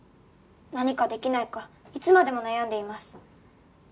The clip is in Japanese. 「何かできないかいつまでも悩んでいます」